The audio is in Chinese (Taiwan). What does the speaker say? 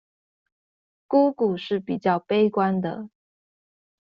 姑姑是比較悲觀的